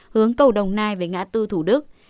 hướng cầu đồng nai về ngã tư thủ đức